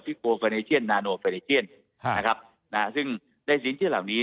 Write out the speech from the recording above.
โกเฟอร์เนเชียนนาโนเฟรเจียนนะครับนะฮะซึ่งในสินเชื่อเหล่านี้